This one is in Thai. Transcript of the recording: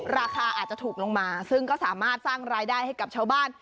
ราคาอาจจะถูกลงมาซึ่งก็สามารถสร้างรายได้ให้กับชาวบ้าน